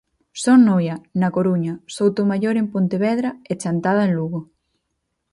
Son Noia, na Coruña, Soutomaior en Pontevedra, e Chantada en Lugo.